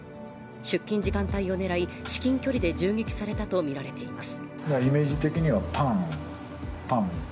出勤時間帯を狙い、至近距離で銃撃されたとみられています。